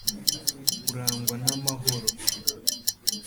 urangwa n’amahoro.